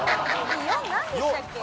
４なんでしたっけ？